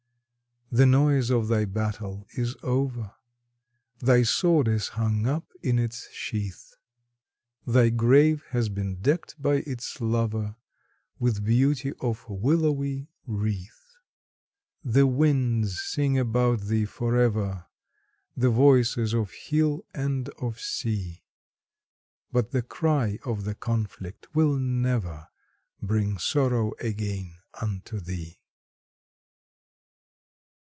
The noise of thy battle is over, Thy sword is hung up in its sheath; Thy grave has been decked by its lover With beauty of willowy wreath. The winds sing about thee for ever, The voices of hill and of sea; But the cry of the conflict will never Bring sorrow again unto thee.